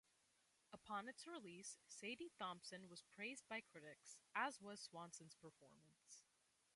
Upon its release, "Sadie Thompson" was praised by critics as was Swanson's performance.